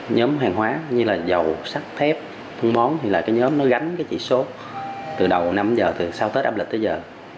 nhóm hàng hóa như là dầu sắc thép thun bón thì là nhóm gánh chỉ số từ đầu năm giờ sau tết áp lịch tới giờ